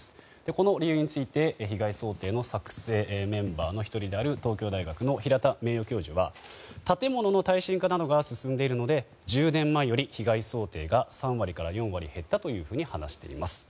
この理由について被害想定の作成メンバーの１人である東京大学の平田名誉教授は建物の耐震化などが進んでいるので被害想定が３割から４割減ったと話しています。